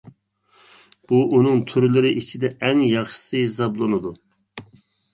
بۇ ئۇنىڭ تۈرلىرى ئىچىدە ئەڭ ياخشىسى ھېسابلىنىدۇ.